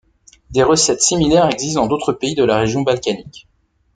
Des recettes similaires existent dans d'autres pays de la région balkanique.